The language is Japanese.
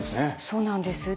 そうなんです。